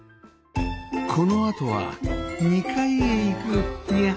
このあとは２階へ行くニャ。